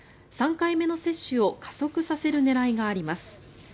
３回目の接種を加速させる狙いがあります。